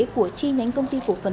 của chi nhánh công ty cổ phần